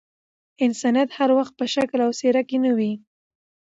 انسانيت هر وخت په شکل او څهره کي نه وي.